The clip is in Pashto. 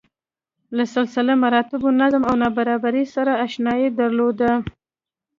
له سلسله مراتبو، نظم او نابرابرۍ سره اشنايي درلوده.